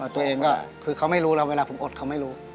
ตัวเองก็คือเขาไม่รู้แล้วเวลาผมอดเขาไม่รู้